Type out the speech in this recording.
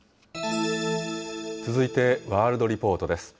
続いてワールドリポートです。